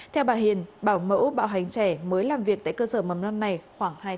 theo bà hiền bảo mẫu bạo hành trẻ mới làm việc tại cơ sở mầm non này khoảng hai tháng